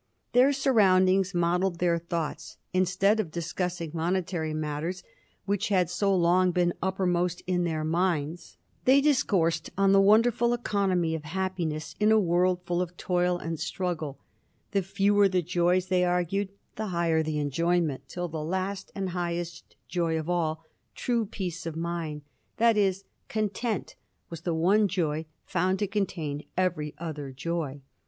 Their surroundings modelled their thoughts. Instead of discussing monetary matters, which had so long been uppermost in their minds, they discoursed on the wonderful economy of happiness in a world full of toil and struggle; the fewer the joys, they argued, the higher the enjoyment, till the last and highest joy of all, true peace of mind, i.e., content, was the one joy found to contain every other joy.